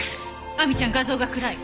亜美ちゃん画像が暗い。